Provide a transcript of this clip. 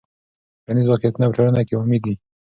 ټولنیز واقعیتونه په ټولنه کې عمومي دي.